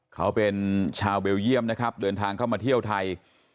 เขาเป็นชาวเบลเยี่ยมนะครับเดินทางเข้ามาเที่ยวไทย